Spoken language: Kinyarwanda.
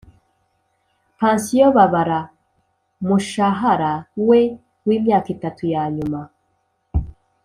Pansiyo babara mushahara we w’ imyaka itatu ya nyuma